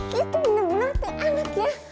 gitu bener bener t a lagi ya